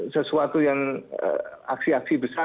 sesuatu yang aksi aksi besar